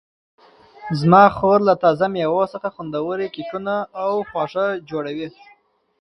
زما خور له تازه مېوو څخه خوندورې کیکونه او خواږه جوړوي.